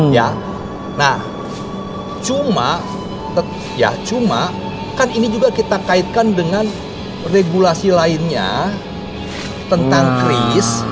ya nah cuma kan ini juga kita kaitkan dengan regulasi lainnya tentang kris